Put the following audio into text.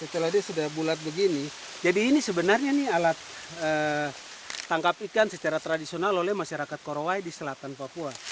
setelah dia sudah bulat begini jadi ini sebenarnya alat tangkap ikan secara tradisional oleh masyarakat korowai di selatan papua